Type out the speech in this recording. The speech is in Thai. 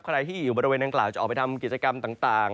ใครที่อยู่บริเวณดังกล่าวจะออกไปทำกิจกรรมต่าง